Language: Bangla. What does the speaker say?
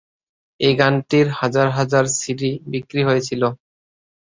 এ গানটির হাজার হাজার সিডি বিক্রি হয়েছিল।